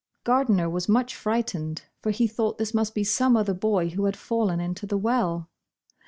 Gardner was much frightened, for he thought this must be some other boy who had fallen into the well.